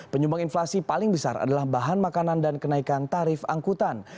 penyumbang inflasi paling besar adalah bahan makanan dan kenaikan tarif angkutan